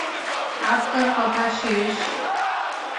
আপনার কথা শেষ?